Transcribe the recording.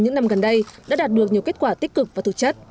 những năm gần đây đã đạt được nhiều kết quả tích cực và thực chất